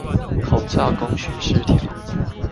口罩供需失調